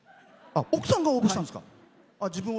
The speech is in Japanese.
奥さんが応募したんですか。